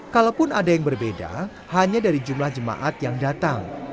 kalaupun ada yang berbeda hanya dari jumlah jemaat yang datang